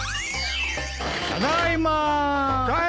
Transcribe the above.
ただいま！